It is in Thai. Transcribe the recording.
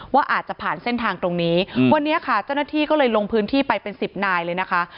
ว่าอาจจะผ่านเส้นทางตรงนี้วันนี้ค่ะเจ้าหน้าที่ก็เลยลงพื้นที่ไปเป็นสิบนายเลยนะคะ